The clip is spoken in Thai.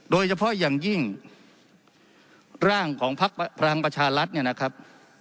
โดยเฉพาะอย่างยิ่งร่างของพักพลังประชารัฐเนี่ยนะครับ